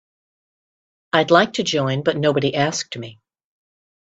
I'd like to join but nobody asked me.